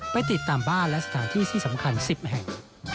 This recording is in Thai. ไปติดตามบ้านและสถานที่ที่สำคัญ๑๐แห่ง